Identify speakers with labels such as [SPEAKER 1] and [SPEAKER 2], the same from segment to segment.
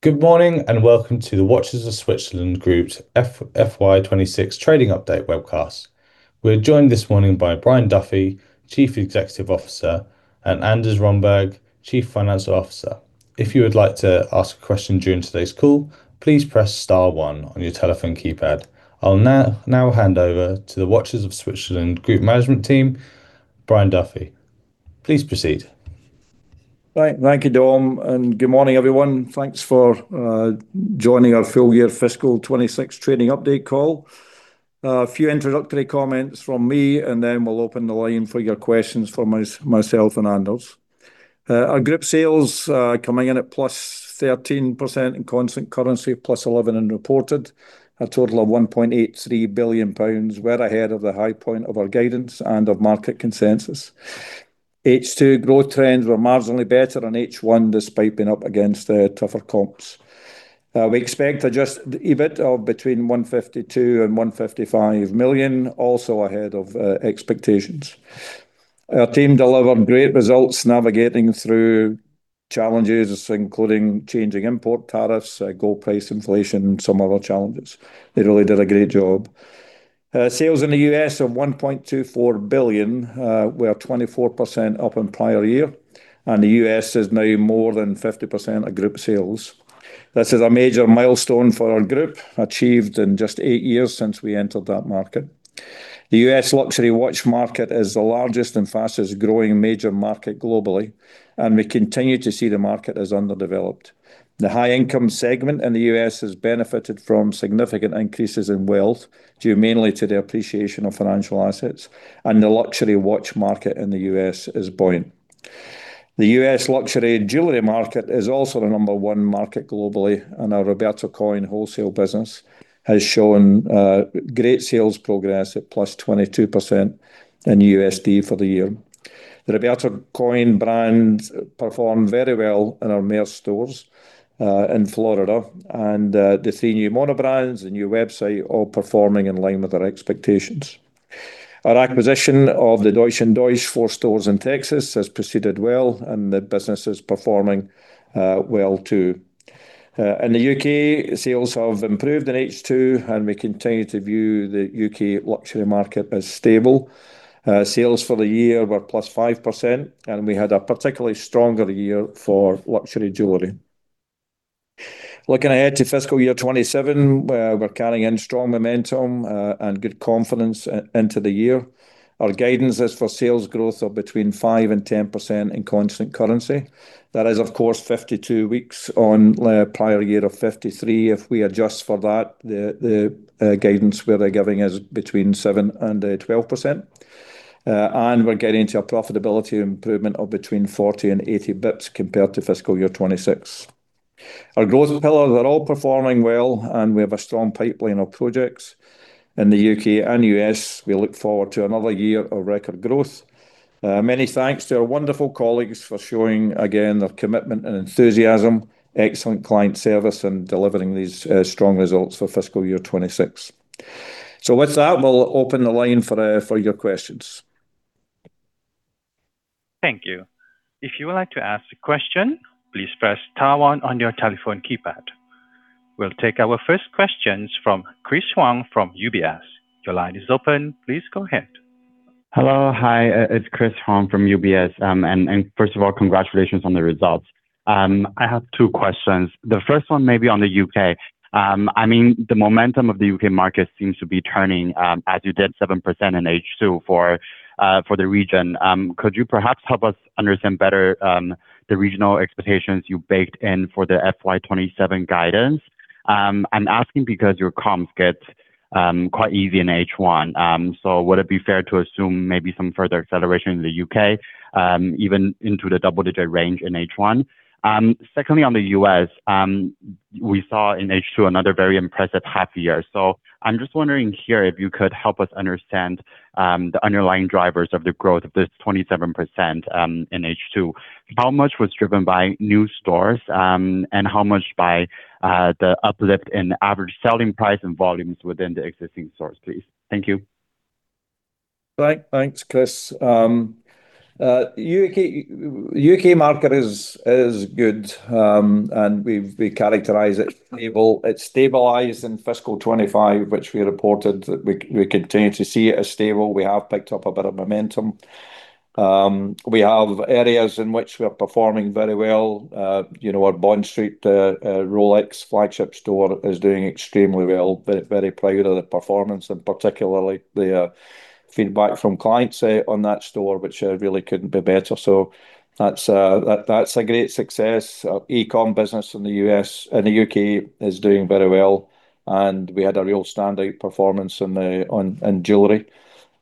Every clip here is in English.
[SPEAKER 1] Good morning, and welcome to the Watches of Switzerland Group's FY 2026 trading update webcast. We're joined this morning by Brian Duffy, Chief Executive Officer, and Anders Romberg, Chief Financial Officer. If you would like to ask question during today's call, please press star one on your telephone keypad. I'll now hand over to the Watches of Switzerland Group management team. Brian Duffy, please proceed.
[SPEAKER 2] Thank you, Dom. Good morning, everyone. Thanks for joining our full year fiscal 2026 trading update call. A few introductory comments from me. Then we'll open the line for your questions for myself and Anders. Our group sales coming in at +13% in constant currency, +11% in reported. A total of 1.83 billion pounds. We're ahead of the high point of our guidance and of market consensus. H2 growth trends were marginally better than H1, despite being up against tougher comps. We expect adjusted EBIT of between 152 million and 155 million, also ahead of expectations. Our team delivered great results navigating through challenges, including changing import tariffs, gold price inflation, and some other challenges. They really did a great job. Sales in the U.S. of 1.24 billion were 24% up on prior year, and the U.S. is now more than 50% of group sales. This is a major milestone for our group, achieved in just eight years since we entered that market. The U.S. luxury watch market is the largest and fastest growing major market globally, and we continue to see the market as underdeveloped. The high-income segment in the U.S. has benefited from significant increases in wealth, due mainly to the appreciation of financial assets, and the luxury watch market in the U.S. is booming. The U.S. luxury jewelry market is also the number one market globally, and our Roberto Coin wholesale business has shown great sales progress at plus 22% in USD for the year. The Roberto Coin brand performed very well in our Mayors stores, in Florida, and the three new mono-brand boutiques, the new website all performing in line with our expectations. Our acquisition of the Deutsch & Deutsch four stores in Texas has proceeded well, and the business is performing well too. In the U.K., sales have improved in H2, and we continue to view the U.K. luxury market as stable. Sales for the year were +5%, and we had a particularly stronger year for luxury jewelry. Looking ahead to FY 2027, we're carrying in strong momentum and good confidence into the year. Our guidance is for sales growth of between 5%-10% in constant currency. That is, of course, 52 weeks on the prior year of 53. If we adjust for that, the guidance we're giving is between 7% and 12%. We're getting to a profitability improvement of between 40 and 80 bps compared to FY 2026. Our growth pillars are all performing well, and we have a strong pipeline of projects in the U.K. and U.S. We look forward to another year of record growth. Many thanks to our wonderful colleagues for showing, again, their commitment and enthusiasm, excellent client service, and delivering these strong results for FY 2026. With that, we'll open the line for your questions.
[SPEAKER 3] Thank you. If you would like to ask a question, please press star one on your telephone keypad. We'll take our first questions from Chris Huang from UBS. Your line is open. Please go ahead.
[SPEAKER 4] Hello. Hi, it's Chris Huang from UBS. First of all, congratulations on the results. I have two questions. The first one may be on the U.K. The momentum of the U.K. market seems to be turning, as you did 7% in H2 for the region. Could you perhaps help us understand better the regional expectations you baked in for the FY 2027 guidance? I'm asking because your comps get quite easy in H1. Would it be fair to assume maybe some further acceleration in the U.K., even into the double-digit range in H1? Secondly, on the U.S., we saw in H2 another very impressive half year. I'm just wondering here if you could help us understand the underlying drivers of the growth of this 27% in H2. How much was driven by new stores, and how much by the uplift in average selling price and volumes within the existing stores, please? Thank you.
[SPEAKER 2] Thanks, Chris. The U.K. market is good, we characterize it stable. It stabilized in FY 2025, which we reported that we continue to see it as stable. We have picked up a bit of momentum. We have areas in which we are performing very well. You know, our Bond Street Rolex flagship store is doing extremely well. Very proud of the performance and particularly the feedback from clients on that store, which really couldn't be better. That's a great success. Our eCom business in the U.S., in the U.K. is doing very well, we had a real standout performance in jewelry.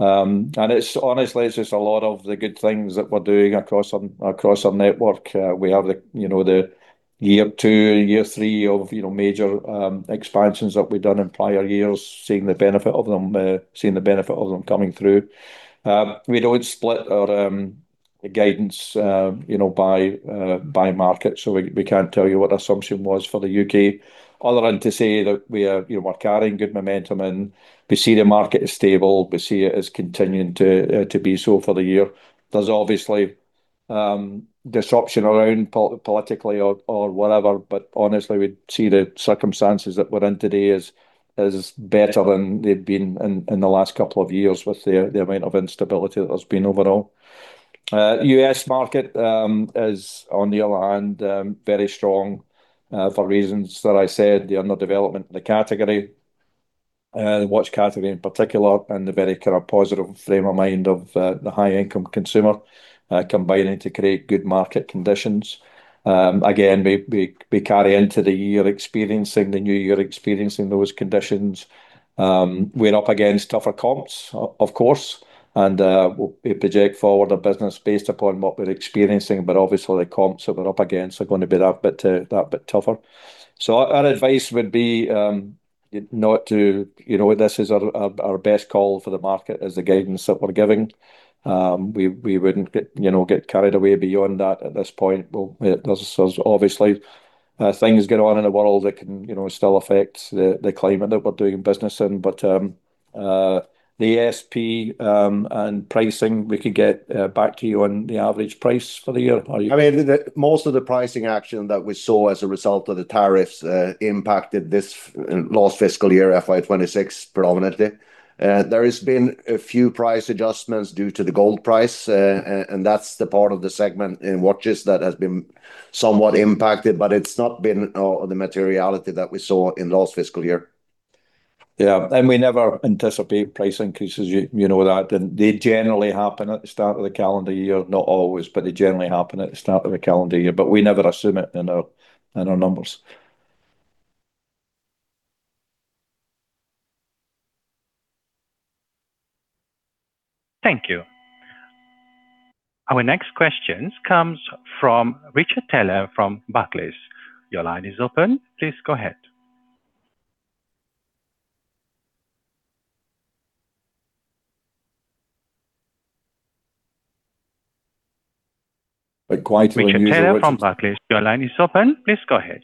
[SPEAKER 2] It's honestly, it's just a lot of the good things that we're doing across our network. We have the, you know, the year two, year three of, you know, Mayors expansions that we've done in prior years, seeing the benefit of them, seeing the benefit of them coming through. We don't split our guidance, you know, by market, so we can't tell you what our assumption was for the U.K. Other than to say that we are, you know, we're carrying good momentum and we see the market is stable. We see it as continuing to be so for the year. There's obviously disruption around politically or whatever, but honestly we see the circumstances that we're in today as better than they've been in the last couple of years with the amount of instability that there's been overall. U.S. market is on the other hand very strong for reasons that I said, the underdevelopment in the category, watch category in particular, and the very kind of positive frame of mind of the high income consumer combining to create good market conditions. Again, we carry into the year experiencing those conditions. We're up against tougher comps of course, and we project forward our business based upon what we're experiencing, but obviously the comps that we're up against are going to be that bit, that bit tougher. Our advice would be not to, you know, this is our best call for the market is the guidance that we're giving. We wouldn't get, you know, get carried away beyond that at this point. Well, there's obviously, things go on in the world that can, you know, still affect the climate that we're doing business in. The ASP and pricing we could get back to you on the average price for the year.
[SPEAKER 5] I mean, the most of the pricing action that we saw as a result of the tariffs impacted this last fiscal year, FY 2026 predominantly. There has been a few price adjustments due to the gold price. That's the part of the segment in watches that has been somewhat impacted, but it's not been the materiality that we saw in last fiscal year.
[SPEAKER 2] Yeah. We never anticipate price increases, you know that. They generally happen at the start of the calendar year, not always, but they generally happen at the start of the calendar year. We never assume it in our numbers.
[SPEAKER 3] Thank you. Our next questions comes from Richard Taylor from Barclays.
[SPEAKER 5] But quite clearly new is what-
[SPEAKER 3] Richard Taylor from Barclays, your line is open. Please go ahead.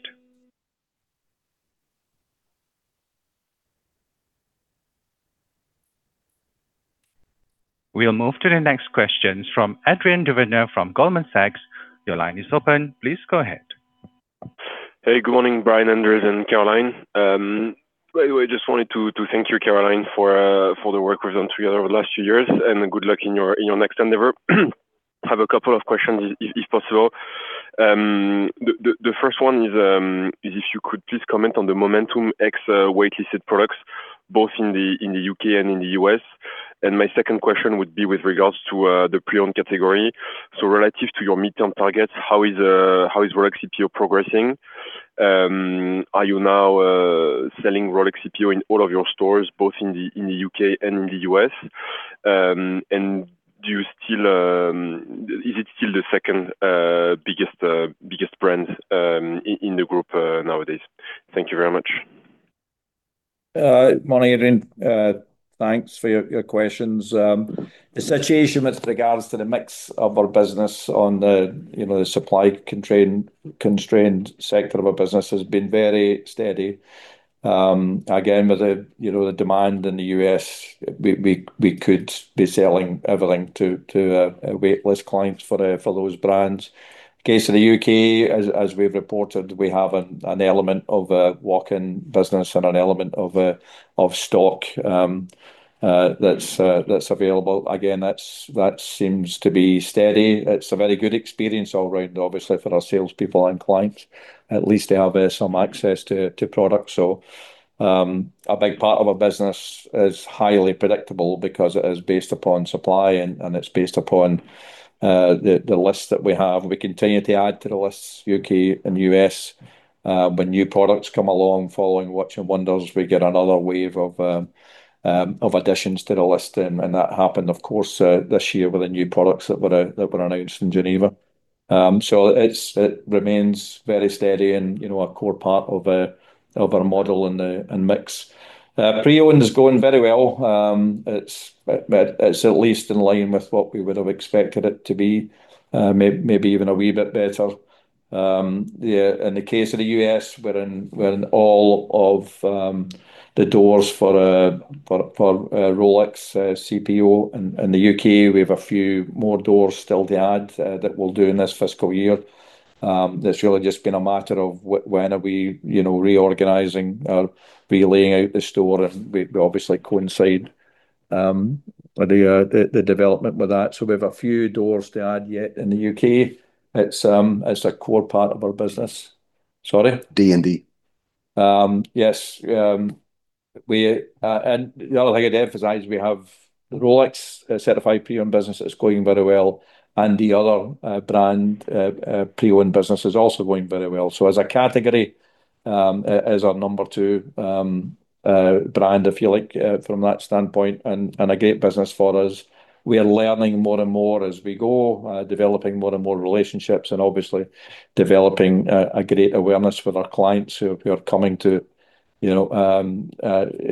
[SPEAKER 3] We'll move to the next questions from Adrien Duverger from Goldman Sachs. Your line is open. Please go ahead.
[SPEAKER 6] Good morning Brian, Anders, and Caroline. By the way, just wanted to thank you, Caroline, for the work we've done together over the last few years, and good luck in your next endeavor. Have a couple of questions if possible. The first one is if you could please comment on the momentum ex waitlisted products both in the U.K. and in the U.S. My second question would be with regards to the pre-owned category. Relative to your midterm targets, how is Rolex CPO progressing? Are you now selling Rolex CPO in all of your stores, both in the U.K. and in the U.S.? Is it still the second biggest brand in the group nowadays? Thank you very much.
[SPEAKER 2] Morning Adrien. Thanks for your questions. The situation with regards to the mix of our business on the, you know, the supply constrained sector of our business has been very steady. Again, with the, you know, the demand in the U.S., we could be selling everything to waitlist clients for those brands. Case of the U.K. as we've reported, we have an element of a walk-in business and an element of stock that's available. Again, that seems to be steady. It's a very good experience all around, obviously for our salespeople and clients. At least they have some access to product. A big part of our business is highly predictable because it is based upon supply and it's based upon the lists that we have. We continue to add to the lists, U.K. and U.S. When new products come along following Watches and Wonders, we get another wave of additions to the list then, that happened of course, this year with the new products that were announced in Geneva. It remains very steady and, you know, a core part of our model and mix. Pre-owned is going very well. It's at least in line with what we would have expected it to be, maybe even a wee bit better. In the case of the U.S., we're in, we're in all of the doors for Rolex CPO. In the U.K. we have a few more doors still to add that we'll do in this fiscal year. It's really just been a matter of when are we, you know, reorganizing or relaying out the store and we obviously coincide with the development with that. We have a few doors to add yet in the U.K. It's a core part of our business. Sorry?
[SPEAKER 5] D&D.
[SPEAKER 2] Yes. We, and the other thing I'd emphasize, we have the Rolex Certified Pre-Owned business that's going very well, and the other brand pre-owned business is also going very well. As a category, it is our number two brand, if you like, from that standpoint and a great business for us. We are learning more and more as we go, developing more and more relationships, and obviously developing a great awareness with our clients who are coming to, you know,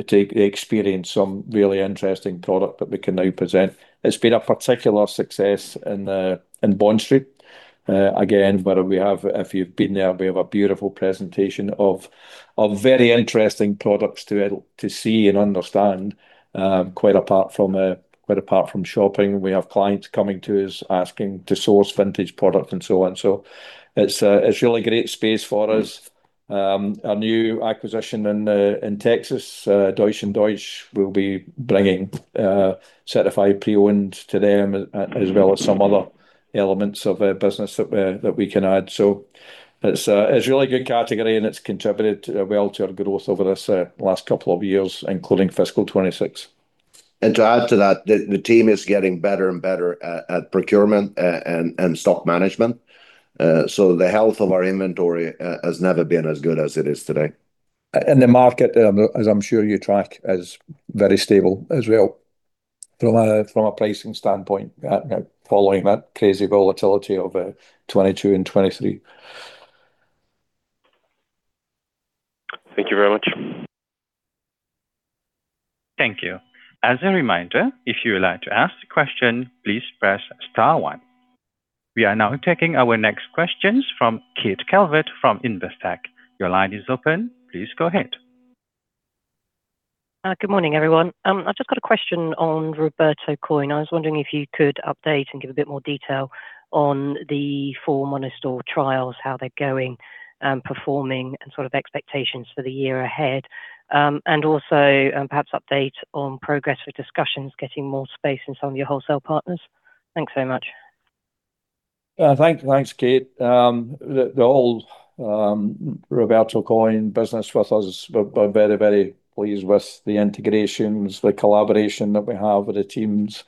[SPEAKER 2] to experience some really interesting product that we can now present. It's been a particular success in Bond Street. Again, whether we have, if you've been there, we have a beautiful presentation of very interesting products to see and understand, quite apart from shopping. We have clients coming to us asking to source vintage product and so on. It's a really great space for us. Our new acquisition in Texas, Deutsch & Deutsch will be bringing certified pre-owned to them as well as some other elements of the business that we can add. It's a really good category, and it's contributed well to our growth over this last couple of years, including FY 2026.
[SPEAKER 5] To add to that, the team is getting better and better at procurement, and stock management. The health of our inventory has never been as good as it is today.
[SPEAKER 2] The market, as I'm sure you track, is very stable as well from a pricing standpoint, following that crazy volatility of 2022 and 2023.
[SPEAKER 6] Thank you very much.
[SPEAKER 3] Thank you. As a reminder, if you would like to ask a question, please press star one. We are now taking our next questions from Kate Calvert from Investec. Your line is open. Please go ahead.
[SPEAKER 7] Good morning, everyone. I've just got a question on Roberto Coin. I was wondering if you could update and give a bit more detail on the four mono store trials, how they're going, performing and sort of expectations for the year ahead. Perhaps update on progress with discussions getting more space in some of your wholesale partners. Thanks so much.
[SPEAKER 2] Thanks, Kate. The whole Roberto Coin business with us, we're very, very pleased with the integrations, the collaboration that we have with the teams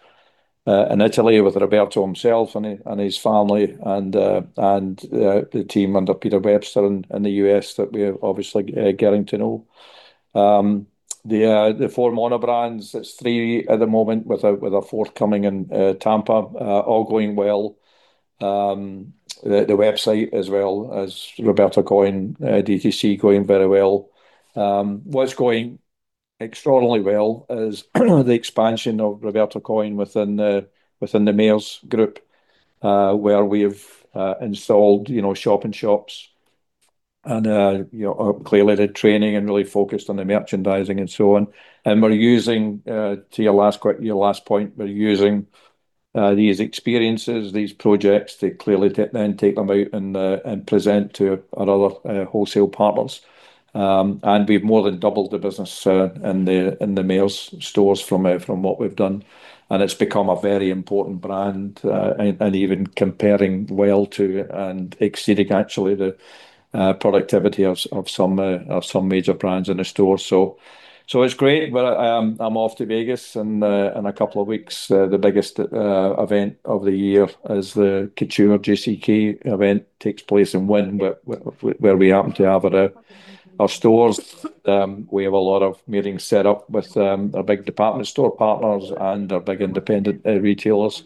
[SPEAKER 2] in Italy with Roberto himself and his family and the team under Peter Webster in the U.S. that we're obviously getting to know. The four mono-brands, it's three at the moment with a forthcoming in Tampa, all going well. The website as well as Roberto Coin D2C going very well. What's going extraordinarily well is the expansion of Roberto Coin within the Mayors group, where we have installed, you know, shop in shops and, you know, clearly the training and really focused on the merchandising and so on. We're using to your last point, we're using these experiences, these projects to clearly then take them out and present to our other wholesale partners. We've more than doubled the business in the Mayors stores from what we've done, and it's become a very important brand and even comparing well to and exceeding actually the productivity of some major brands in the store. It's great. I'm off to Vegas in a couple of weeks. The biggest event of the year as the consumer JCK event takes place in Wynn. Where we happen to have it at our stores. We have a lot of meetings set up with our big department store partners and our big independent retailers.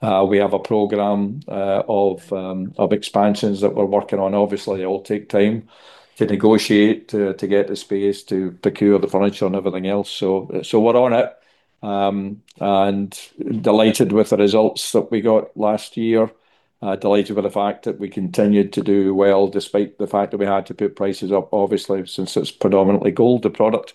[SPEAKER 2] We have a program of expansions that we're working on. Obviously, they all take time to negotiate, to get the space, to procure the furniture and everything else. We're on it and delighted with the results that we got last year. Delighted with the fact that we continued to do well, despite the fact that we had to put prices up, obviously, since it's predominantly gold, the product.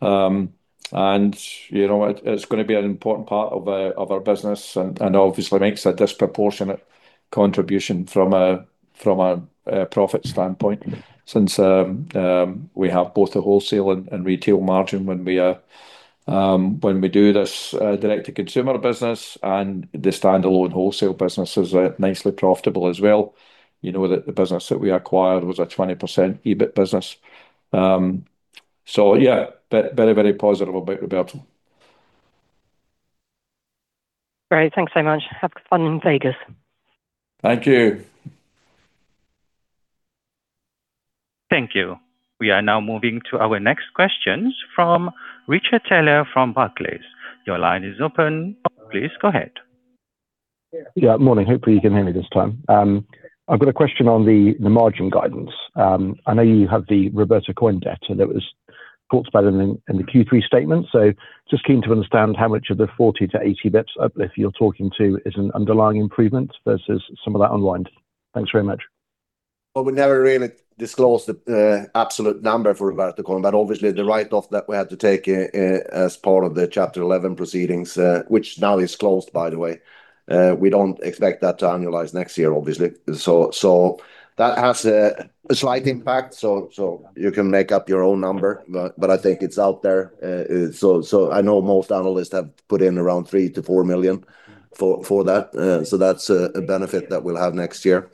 [SPEAKER 2] You know, it's gonna be an important part of our business and obviously makes a disproportionate contribution from a profit standpoint since we have both the wholesale and retail margin when we do this direct to consumer business and the standalone wholesale business is nicely profitable as well. You know that the business that we acquired was a 20% EBIT business. Yeah, very, very positive about Roberto.
[SPEAKER 7] Great. Thanks so much. Have fun in Vegas.
[SPEAKER 2] Thank you.
[SPEAKER 3] Thank you. We are now moving to our next questions from Richard Taylor from Barclays. Your line is open. Please go ahead.
[SPEAKER 8] Yeah. Morning. Hopefully, you can hear me this time. I've got a question on the margin guidance. I know you have the Roberto Coin debt, and it was talked about in the Q3 statement. Just keen to understand how much of the 40-80 basis points up, if you're talking to, is an underlying improvement versus some of that unwind. Thanks very much.
[SPEAKER 5] We never really disclosed the absolute number for Roberto Coin, but obviously the write-off that we had to take as part of the Chapter 11 proceedings, which now is closed by the way, we don't expect that to annualize next year, obviously. That has a slight impact. You can make up your own number, but I think it's out there. I know most analysts have put in around 3 million-4 million for that. That's a benefit that we'll have next year.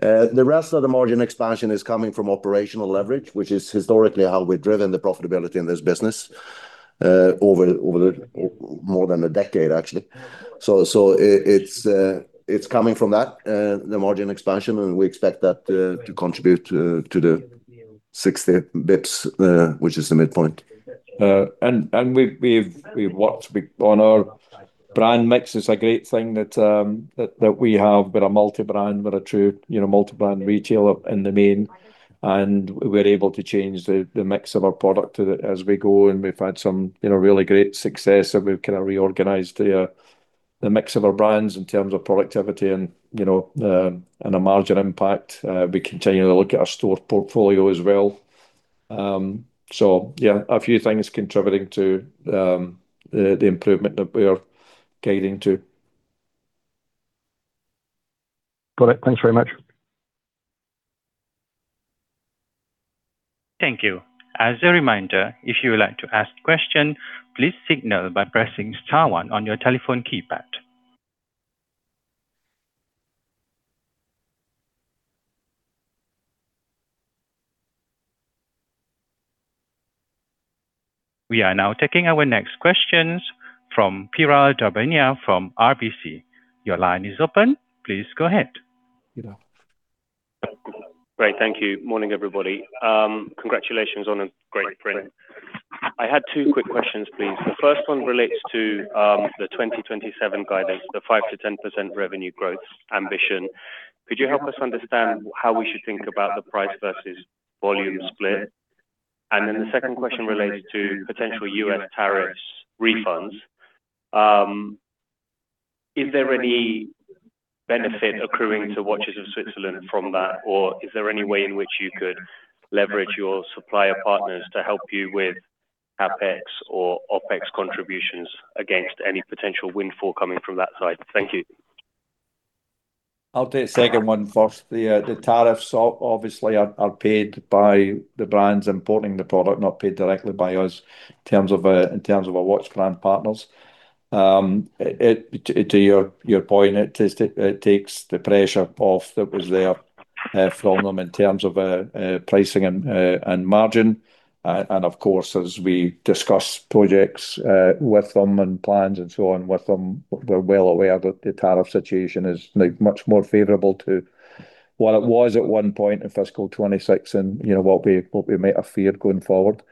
[SPEAKER 5] The rest of the margin expansion is coming from operational leverage, which is historically how we've driven the profitability in this business, over the more than a decade actually. It's coming from that, the margin expansion, and we expect that, to contribute, to the 60 basis points, which is the midpoint.
[SPEAKER 2] We've worked on our brand mix. It's a great thing that we have. We're a multi-brand. We're a true, you know, multi-brand retailer in the main, and we're able to change the mix of our product as we go. We've had some, you know, really great success, and we've kind of reorganized the mix of our brands in terms of productivity and, you know, a margin impact. We continue to look at our store portfolio as well. Yeah, a few things contributing to the improvement that we are guiding to.
[SPEAKER 8] Got it. Thanks very much.
[SPEAKER 3] Thank you. As a reminder, if you would like to ask question, please signal by pressing star 1 on your telephone keypad. We are now taking our next questions from Piral Dadhania from RBC. Your line is open. Please go ahead.
[SPEAKER 9] Great. Thank you. Morning, everybody. Congratulations on a great print. I had two quick questions, please. The first one relates to the 2027 guidance, the 5%-10% revenue growth ambition. Could you help us understand how we should think about the price versus volume split? The second question relates to potential U.S. tariffs refunds. Is there any benefit accruing to Watches of Switzerland Group from that? Or is there any way in which you could leverage your supplier partners to help you with CapEx or OpEx contributions against any potential windfall coming from that side? Thank you.
[SPEAKER 2] I'll take the second one first. The tariffs obviously are paid by the brands importing the product, not paid directly by us in terms of a watch brand partners. To your point, it takes the pressure off that was there from them in terms of pricing and margin. Of course, as we discuss projects with them and plans and so on with them, we're well aware that the tariff situation is now much more favorable to what it was at one point in FY 2026 and, you know, what we might have feared going forward.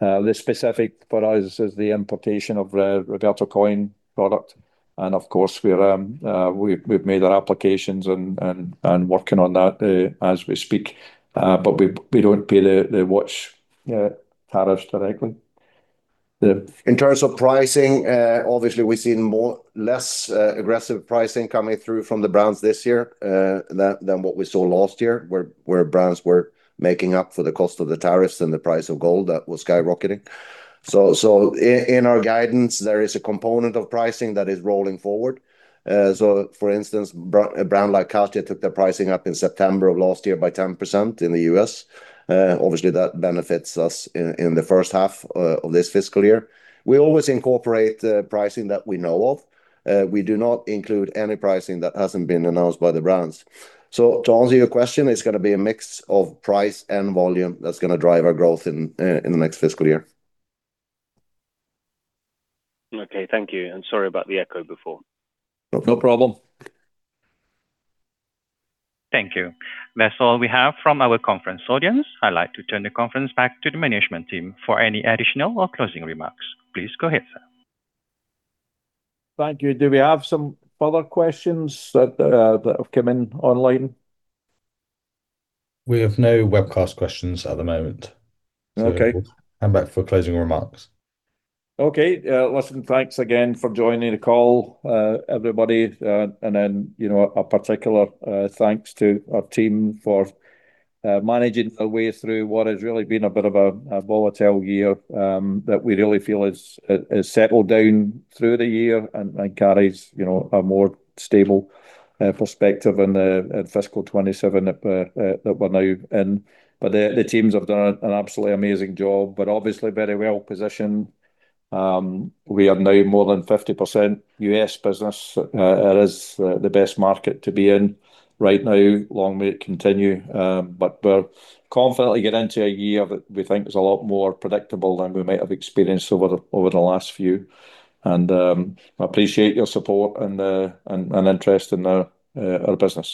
[SPEAKER 2] The specific for us is the importation of Roberto Coin product. Of course, we've made our applications and working on that as we speak. We don't pay the watch tariffs directly.
[SPEAKER 5] In terms of pricing, obviously we've seen less aggressive pricing coming through from the brands this year than what we saw last year where brands were making up for the cost of the tariffs and the price of gold that was skyrocketing. In our guidance, there is a component of pricing that is rolling forward. For instance, a brand like Cartier took their pricing up in September of last year by 10% in the U.S. Obviously, that benefits us in the first half of this fiscal year. We always incorporate the pricing that we know of. We do not include any pricing that hasn't been announced by the brands. To answer your question, it's gonna be a mix of price and volume that's gonna drive our growth in the next fiscal year.
[SPEAKER 9] Okay. Thank you. Sorry about the echo before.
[SPEAKER 5] No problem.
[SPEAKER 3] Thank you. That's all we have from our conference audience. I'd like to turn the conference back to the management team for any additional or closing remarks. Please go ahead, sir.
[SPEAKER 2] Thank you. Do we have some further questions that have come in online?
[SPEAKER 1] We have no webcast questions at the moment.
[SPEAKER 2] Okay.
[SPEAKER 1] I'm back for closing remarks.
[SPEAKER 2] Okay. Listen, thanks again for joining the call, everybody. You know, a particular thanks to our team for managing their way through what has really been a bit of a volatile year that we really feel has settled down through the year and carries, you know, a more stable perspective in fiscal 2027 that we're that we're now in. The teams have done an absolutely amazing job. Obviously very well-positioned. We are now more than 50% U.S. business. It is the best market to be in right now. Long may it continue. We're confidently get into a year that we think is a lot more predictable than we might have experienced over the last few. I appreciate your support and interest in our business.